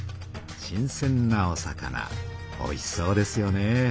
新せんなお魚おいしそうですよね。